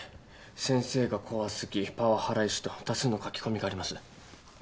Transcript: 「先生が怖すぎパワハラ医師」と多数の書き込みがあります。